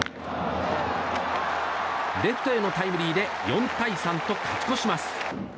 レフトへのタイムリーで４対３と勝ち越します。